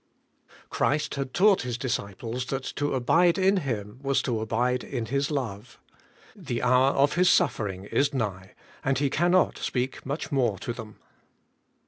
CHRIST had taught His disciples that to abide in Him was to abide in His love. The hour of His suffering is nigh, and He cannot speak much more to them.